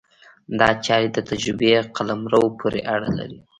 دا چارې د تجربې قلمرو پورې اړه لري.